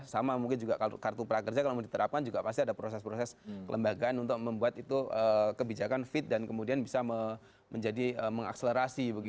sama mungkin juga kartu prakerja kalau diterapkan juga pasti ada proses proses kelembagaan untuk membuat itu kebijakan fit dan kemudian bisa menjadi mengakselerasi